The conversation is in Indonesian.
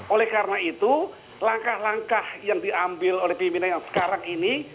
oleh karena itu langkah langkah yang diambil oleh pimpinan yang sekarang ini